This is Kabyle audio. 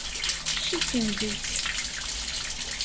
Cikken deg-s.